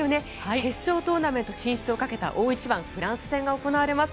決勝トーナメント進出をかけた大一番のフランス戦が行われます。